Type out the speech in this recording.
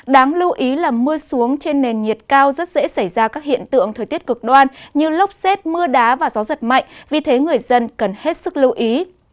đáng lưu ý là mưa xuống trên nền nhiệt cao rất dễ xảy ra các hiện tượng thời tiết cực đoan như lốc xét mưa đá và gió giật mạnh vì thế người dân cần hết sức lưu ý